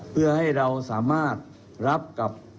เพื่อให้เราสามารถรับกับ